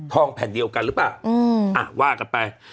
ทองแผ่นเดียวกันหรือป่ะว่ากลับไป